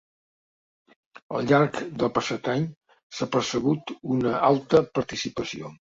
Al llarg del passat any s’ha percebut una alta participació.